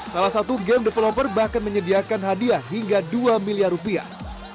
salah satu game developer bahkan menyediakan hadiah hingga dua miliar rupiah